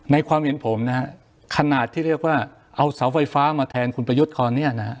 ความเห็นผมนะฮะขนาดที่เรียกว่าเอาเสาไฟฟ้ามาแทนคุณประยุทธ์ตอนนี้นะฮะ